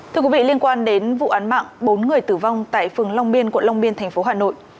thưa quý vị liên quan đến vụ án mạng bốn người tử vong tại phường long biên quận long biên tp hà nội